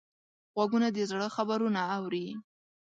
غوږونه د زړه خبرونه اوري